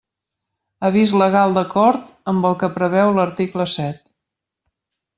Avís legal d'acord amb el que preveu l'article set.